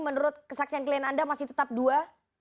menurut kesaksian klien anda masih tetap dua